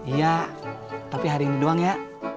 iya tapi hari ini doang ya